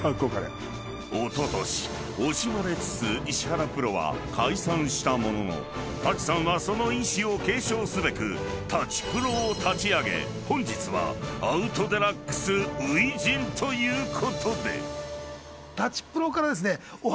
［おととし惜しまれつつ石原プロは解散したものの舘さんはその意志を継承すべく舘プロを立ち上げ本日は『アウト×デラックス』初陣ということで］